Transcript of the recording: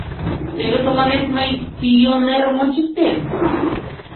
Теве тыланет мый пий-он-ерым ончыктем.